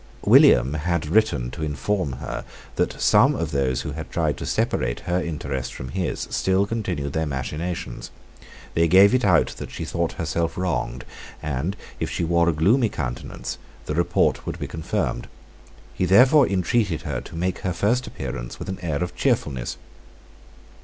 William had written to inform her that some of those who had tried to separate her interest from his still continued their machinations: they gave it out that she thought herself wronged; and, if she wore a gloomy countenance, the report would be confirmed. He therefore intreated her to make her first appearance with an air of cheerfulness.